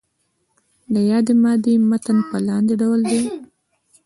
د یادې مادې متن په لاندې ډول دی.